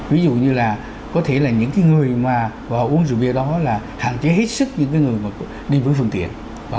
ví dụ như là có thể là những cái người mà uống rượu bia đó là hạn chế hết sức những cái người mà đi với phương tiện